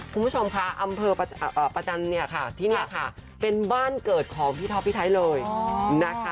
คุณผู้ชมค่ะอำเภอประจันทร์เนี่ยค่ะที่นี่ค่ะเป็นบ้านเกิดของพี่ท็อปพี่ไทยเลยนะคะ